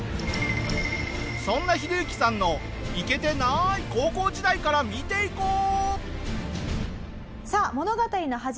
そんなヒデユキさんのイケてない高校時代から見ていこう！